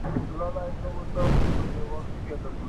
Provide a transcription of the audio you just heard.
افغانان د نړیوالي ټولني سره د دوه اړخیزه همکارۍ څخه نه تیریږي.